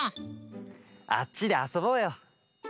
あっちであそぼうよ！